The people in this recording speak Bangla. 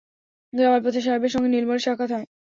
গ্রামের পথে সাহেবের সঙ্গে নীলমণির সাক্ষাৎ হয়।